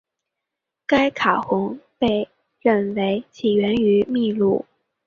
该卡洪被认为起源于秘鲁。